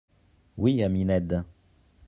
—Oui, ami Ned.